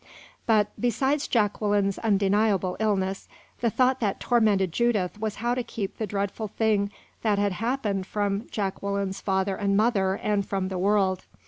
But, besides Jacqueline's undeniable illness, the thought that tormented Judith was how to keep the dreadful thing that had happened from Jacqueline's father and mother and from the world.